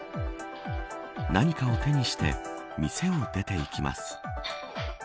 何かを手にして店を出て行きます。